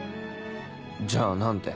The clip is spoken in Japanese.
じゃあ何て？